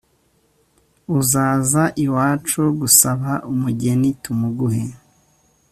Uzaza iwacu gusaba umugeni tumuguhe